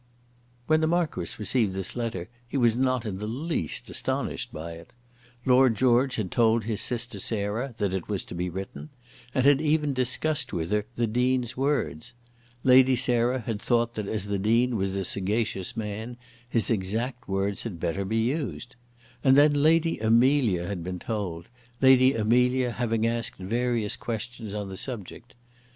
When the Marquis received this letter he was not in the least astonished by it. Lord George had told his sister Sarah that it was to be written, and had even discussed with her the Dean's words. Lady Sarah had thought that as the Dean was a sagacious man, his exact words had better be used. And then Lady Amelia had been told, Lady Amelia having asked various questions on the subject.